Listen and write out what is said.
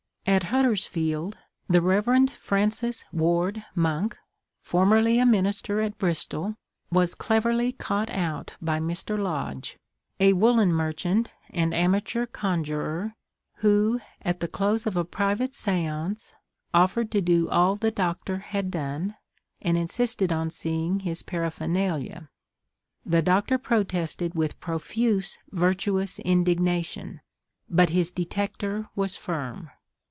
At Huddersfield the Rev. Francis Ward Monck, formerly a minister at Bristol, was cleverly caught out by Mr. Lodge, a woollen merchant and amateur conjurer, who at the close of a private seance offered to do all the "Doctor" had done, and insisted on seeing his "paraphernalia." The Doctor protested with profuse virtuous indignation, but his detecter was firm.